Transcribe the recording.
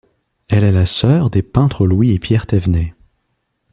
Elle est la sœur des peintres Louis et Pierre Thévenet.